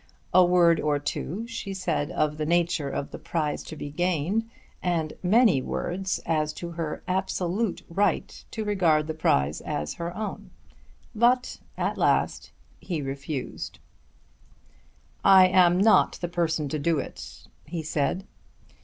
A word or two she said of the nature of the prize to be gained, and many words as to her absolute right to regard that prize as her own. But at last he refused. "I am not the person to do it," he said.